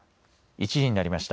１時になりました。